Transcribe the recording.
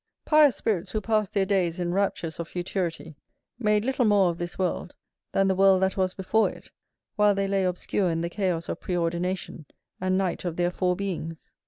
Pious spirits who passed their days in raptures of futurity, made little more of this world, than the world that was before it, while they lay obscure in the chaos of pre ordination, and night of their fore beings.